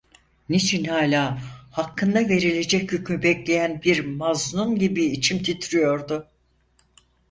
Niçin hâlâ, hakkında verilecek hükmü bekleyen bir maznun gibi, içim titriyordu?